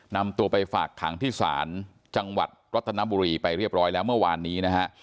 นำตัวไปฝากขังที่ศาลจังหวัดรัตนบุรีไปเรียบร้อยแล้วเมื่อวานนี้นะฮะ